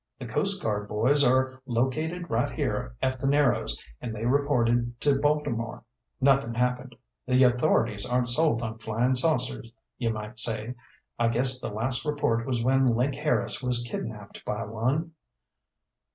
The Coast Guard boys are located right here at the Narrows, and they reported to Baltimore. Nothin' happened. The authorities aren't sold on flyin' saucers, you might say. I guess the last report was when Link Harris was kidnaped by one."